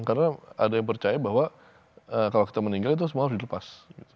karena ada yang percaya bahwa kalau kita meninggal itu semua harus dilepas